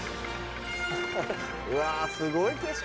うわすごい景色だ。